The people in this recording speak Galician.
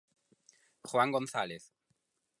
Juan González.